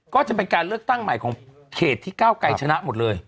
ก็จะเป็นการเลือกตั้งใหม่ของเขตที่ก้าวไกรชนะหมดเลย